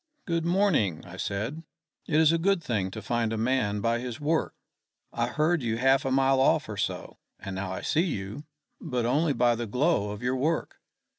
"Good morning," I said. "It is a good thing to find a man by his work. I heard you half a mile off or so, and now I see you, but only by the glow of your work.